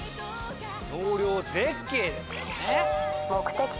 納涼絶景ですからね。